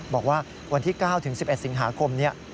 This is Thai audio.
บอกว่าวันที่๙๑๑สิงหาคมนี้